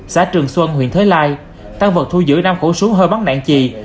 xã trường xuân huyện thới lai tăng vật thu giữ năm khẩu súng hơi bắn đạn trì